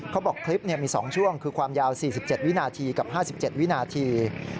เขาบอกคลิปมี๒ช่วงคือความยาว๔๗วินาทีกับ๕๗วินาที